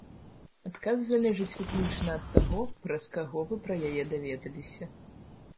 Адказ залежыць выключна ад таго, праз каго вы пра яе даведаліся.